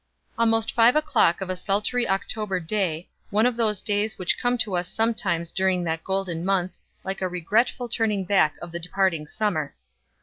Almost five o'clock of a sultry October day, one of those days which come to us sometimes during that golden month, like a regretful turning back of the departing summer.